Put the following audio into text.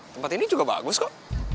tempat ini juga bagus kok